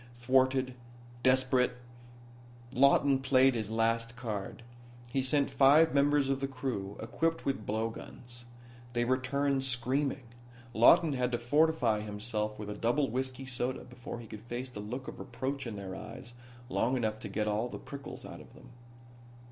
Thwarted, desperate, Lawton played his last card. He sent five members of the crew, equipped with blow guns. They returned screaming. Lawton had to fortify himself with a double whiskey soda before he could face the look of reproach in their eyes long enough to get all of the prickles out of them.